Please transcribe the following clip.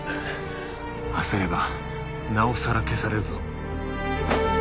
焦ればなおさら消されるぞ。